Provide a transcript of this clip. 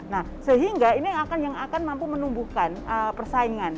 nah sehingga ini yang akan mampu menumbuhkan persaingan